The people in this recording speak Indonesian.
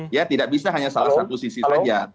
ya tidak bisa hanya salah satu sisi saja